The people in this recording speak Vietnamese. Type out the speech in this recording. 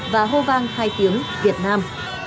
và hô vang hai tiếng việt nam